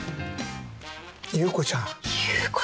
祐子ちゃん。